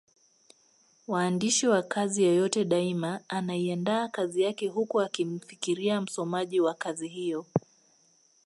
Waandishi wa kazi yeyote daima anaiandaa kazi yake huku akimfikiria msomaji wa kazi hiyo.